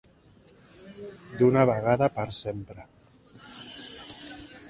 D'una vegada per sempre.